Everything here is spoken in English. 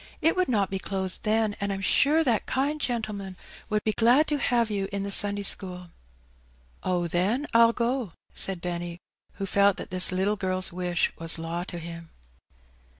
It would not be closed then, and I'm sure that kind gentleman would be glad to have you in the Sunday school." '^Oh, then, I'll go," said Benny, who felt that this little girl's wish was law to him.